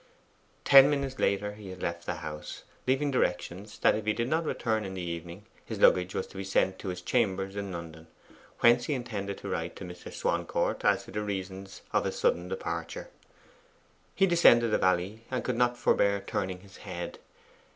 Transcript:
Ten minutes later he had left the house, leaving directions that if he did not return in the evening his luggage was to be sent to his chambers in London, whence he intended to write to Mr. Swancourt as to the reasons of his sudden departure. He descended the valley, and could not forbear turning his head.